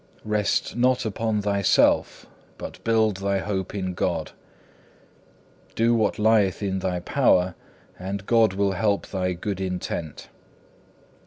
Rest not upon thyself, but build thy hope in God. Do what lieth in thy power, and God will help thy good intent.